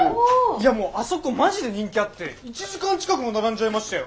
いやもうあそこマジで人気あって１時間近くも並んじゃいましたよ。